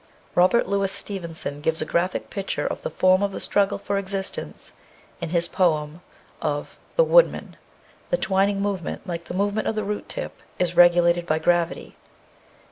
w T: 30 : Natural History 621 Robert Louis Stevenson gives a graphic picture of this form of the struggle for existence in his poem of "The Woodman." The twining movement, like the movement of the root tip, is regulated by gravity.